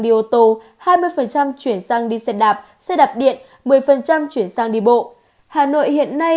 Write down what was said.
đi ô tô hai mươi chuyển sang đi xe đạp xe đạp điện một mươi chuyển sang đi bộ hà nội hiện nay